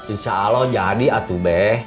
insya allah jadi atuh beh